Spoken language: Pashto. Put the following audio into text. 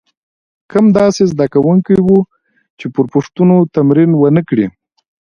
کم داسې زده کوونکي وو چې پر پوښتنو تمرین ونه کړي.